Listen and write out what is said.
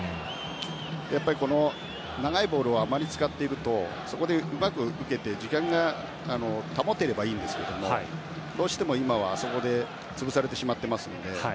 やっぱり長いボールをあまり使っているとそこでうまく受けて時間が保てればいいんですがどうしても今は、あそこで潰されているので。